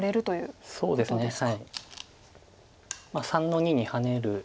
３の二にハネる。